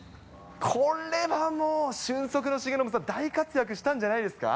これはもう、俊足の重信さん、大活躍したんじゃないですか。